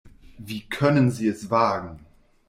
Wie können Sie es wagen?